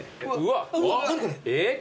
えっ